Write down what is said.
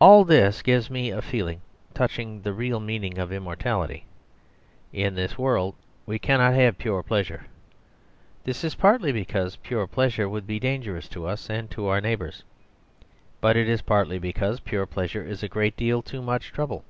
All this gives me a feeling touching the real meaning of immortality. In this world we cannot have pure pleasure. This is partly because pure pleasure would be dangerous to us and to our neighbours. But it is partly because pure pleasure is a great deal too much trouble.